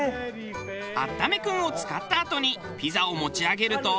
あっためくんを使ったあとにピザを持ち上げると。